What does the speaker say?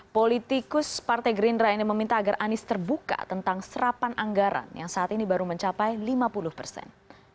politikus partai gerindra ini meminta agar anies terbuka tentang serapan anggaran yang saat ini baru mencapai lima puluh persen